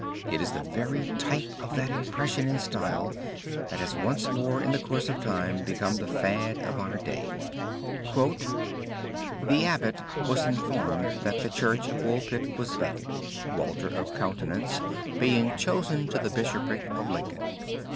It is the very type of that impressionism in style that has once more in the course of time become the fad of our own day. "The abbot was informed that the church of Woolpit was vacant, Walter of Coutances being chosen to the bishopric of Lincoln.